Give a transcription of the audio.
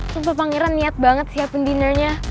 sumpah pangeran niat banget siapin dinnernya